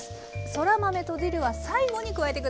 そら豆とディルは最後に加えて下さい。